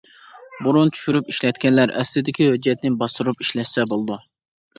بۇرۇن چۈشۈرۈپ ئىشلەتكەنلەر ئەسلىدىكى ھۆججەتنى باستۇرۇپ ئىشلەتسە بولىدۇ.